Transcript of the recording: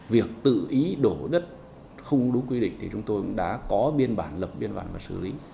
việc tự ý đổ đất không đúng quy định thì chúng tôi cũng đã có biên bản lập biên bản và xử lý